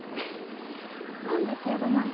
何で敬語なの？